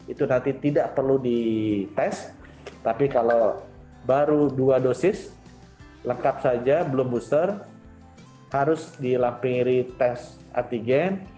itu nanti tidak perlu dites tapi kalau baru dua dosis lengkap saja belum booster harus dilampiri tes antigen